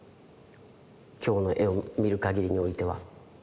今日の絵を見るかぎりにおいては。